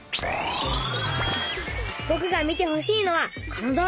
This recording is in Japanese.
ぼくが見てほしいのはこの動画。